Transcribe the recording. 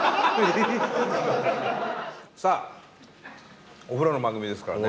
さあお風呂の番組ですからね。